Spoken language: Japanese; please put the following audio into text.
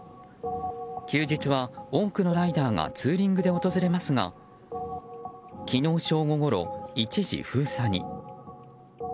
休日は、多くのライダーがツーリングで訪れますが昨日正午ごろ、一時封鎖に。